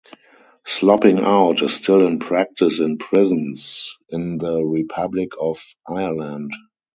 Slopping out is still in practice in prisons in the Republic of Ireland.